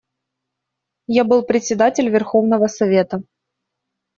Я был председатель Верховного Совета.